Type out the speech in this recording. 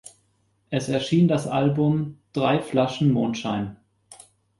Es erschien das Album "Drei Flaschen Mondschein".